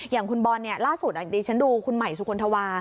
อย่างคุณบอลล่าสุดดิฉันดูคุณใหม่สุคลธวา